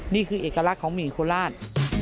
นี่คือเอกลักษณ์ของหมี่โคราช